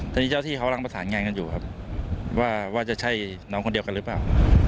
ธนนี้เจ้าที่เขาล่างผสานงานอยู่ว่าจะใช่หนัวคนเดียวกันหรือเปล่า